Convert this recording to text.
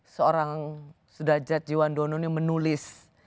seorang sudhajat jiwan dono ini menulis